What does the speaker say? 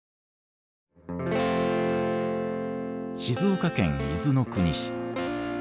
静岡県伊豆の国市。